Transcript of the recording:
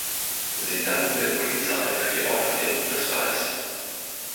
Sie danken der Polizei für die Aufklärung des Falls.